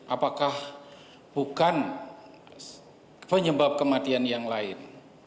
apakah bukan penyebab kematian yang lain